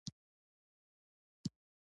دریشي د تعارف پر وخت ښه تاثیر لري.